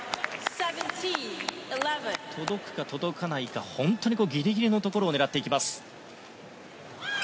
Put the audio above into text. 届くか届かないか本当にギリギリのところを狙っていきます。